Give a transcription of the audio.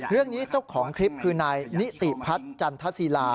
เรื่องนี้เจ้าของคลิปคือนายนิติพัทรจันทสีลา